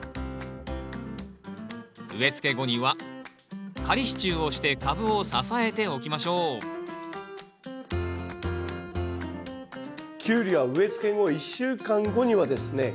植えつけ後には仮支柱をして株を支えておきましょうキュウリは植えつけ後１週間後にはですね